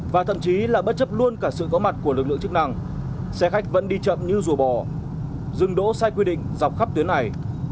và thậm chí là bất chấp luôn cả sự có mặt của lực lượng chức năng xe khách vẫn đi chậm như rùa bò dừng đỗ sai quy định dọc khắp tuyến này